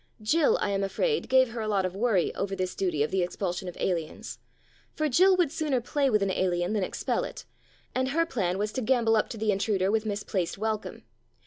Jill, I am afraid, gave her a lot of worry over this duty of the expulsion of aliens, for Jill would sooner play with an alien than expel it, and her plan was to gambol up to the intruder with mis placed welcome.